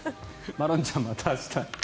まろんちゃん、また明日。